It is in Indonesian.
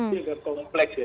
ini agak kompleks ya